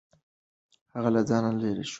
هغه له ځانه لرې شو.